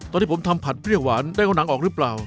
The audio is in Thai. ตอนที่ผมทำผัดเปรี้ยวหวานได้เอาหนังออกหรือเปล่า